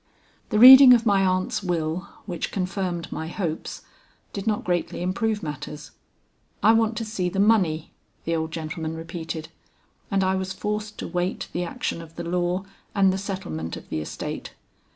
"The reading of my aunt's will, which confirmed my hopes, did not greatly improve matters. 'I want to see the money,' the old gentleman repeated; and I was forced to wait the action of the law and the settlement of the estate.